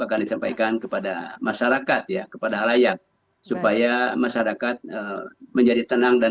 akan disampaikan kepada masyarakat ya kepada halayak supaya masyarakat menjadi tenang dan